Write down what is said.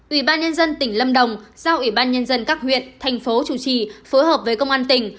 ủy ban nhân dân tỉnh lâm đồng giao ủy ban nhân dân các huyện thành phố chủ trì phối hợp với công an tỉnh